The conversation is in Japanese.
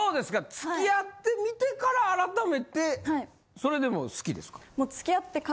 付き合ってみてからあらためてそれでも好きですか？